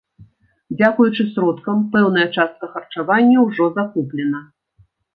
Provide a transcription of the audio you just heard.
Дзякуючы сродкам, пэўная частка харчавання ўжо закуплена.